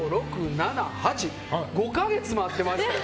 ７、８５か月待ってました。